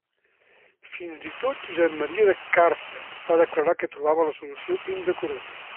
Fins i tot Josep Maria de Càrcer va declarar que trobava la solució indecorosa.